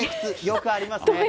よくありますね。